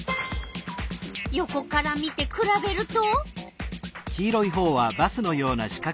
横から見てくらべると？